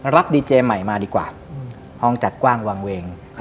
รับดีเจใหม่มาดีกว่าห้องจัดกว้างวางเวง